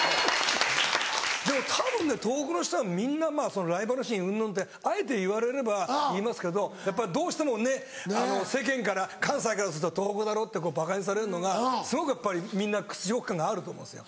でもたぶんね東北の人はみんなライバル心うんぬんってあえて言われれば言いますけどやっぱりどうしてもね世間から関西からすると「東北だろ」ってこうばかにされるのがすごくやっぱりみんな屈辱感があると思うんですよ。